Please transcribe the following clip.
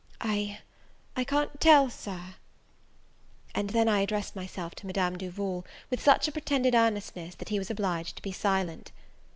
"I I can't tell, Sir." And then I addressed myself to Madame Duval, with such a pretended earnestness, that he was obliged to be silent.